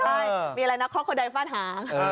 ใช่มีอะไรนะคล็อกโคโดไดน์ฝ้าทาง